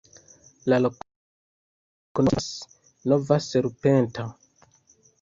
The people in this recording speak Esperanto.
La loknomo signifas: nova-serpenta.